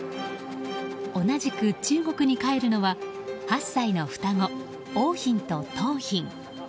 同じく中国に帰るのは８歳の双子桜浜と桃浜。